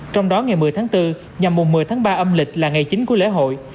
trong đó ngày một mươi tháng bốn nhằm mùa một mươi tháng ba âm lịch là ngày chín cuối lễ hội